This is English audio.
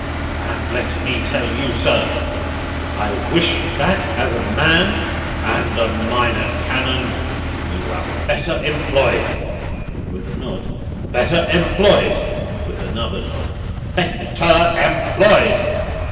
And let me tell you, sir, I wish that, as a man and a Minor Canon, you were better employed," with a nod. "Better employed," with another nod. "Bet ter em ployed!"